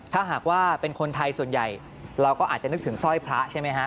ถ้าหากว่าเป็นคนไทยส่วนใหญ่เราก็อาจจะนึกถึงสร้อยพระใช่ไหมฮะ